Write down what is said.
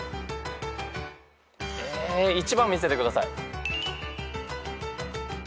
１番見せてください。